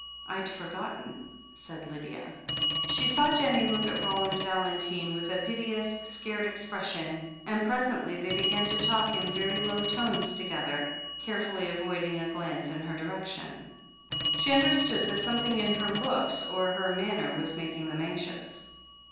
"Fd forgotten," said Lydia. She saw Jennie look at Roland Valentine with a 452 THE HEEL OF ACHILLES piteous, scared expression, and presently they began to talk in very low tones together, carefully avoiding a glance in her direction. She understood that something in her looks or her manner was making them anxious.